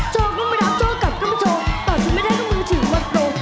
ตอบถูกไม่ได้ก็มือถือว่าโปร